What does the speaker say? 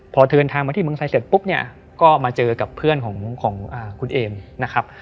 พอเดินทางมาที่เมืองไทยเสร็จปุ๊บเนี่ยก็มาเจอกับเพื่อนของคุณเอมนะครับ